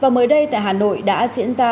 và mới đây tại hà nội đã diễn ra